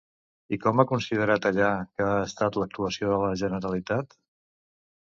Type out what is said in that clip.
I com ha considerat allà què ha estat l'actuació de la Generalitat?